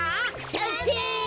さんせい！